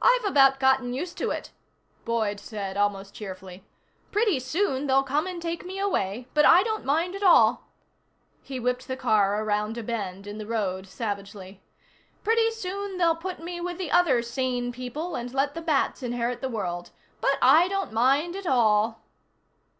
"I've about gotten used to it," Boyd said almost cheerfully. "Pretty soon they'll come and take me away, but I don't mind at all." He whipped the car around a bend in the road savagely. "Pretty soon they'll put me with the other sane people and let the bats inherit the world. But I don't mind at all."